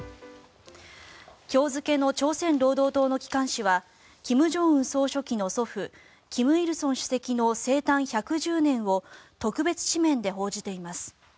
今日付の朝鮮労働党の機関紙は金正恩総書記の祖父金日成主席の生誕１１０年を特別紙面で報じています。